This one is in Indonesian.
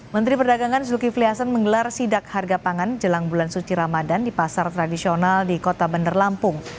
menteri perdagangan zulkifli hasan menggelar sidak harga pangan jelang bulan suci ramadan di pasar tradisional di kota bandar lampung